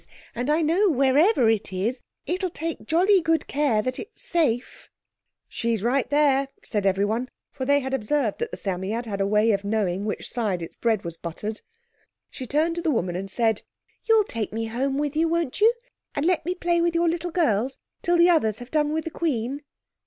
And I know, wherever it is, it'll take jolly good care that it's safe." "She's right there," said everyone, for they had observed that the Psammead had a way of knowing which side its bread was buttered. She turned to the woman and said, "You'll take me home with you, won't you? And let me play with your little girls till the others have done with the Queen."